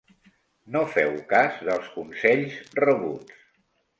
No féu cas dels consells rebuts.